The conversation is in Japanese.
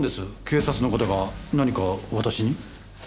警察の方が何か私に？